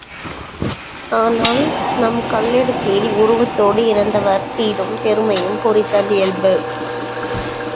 ஆனால், நம் கல்லெடுப்பில், உருவத்தோடு இறந்தவர் பீடும் பெருமையும் பொறித்தல் இயல்பு.